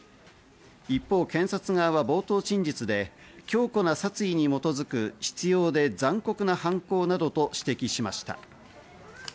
一方、検察側は冒頭陳述で強固な殺意に基づく執拗で残酷な犯行などと指摘しました。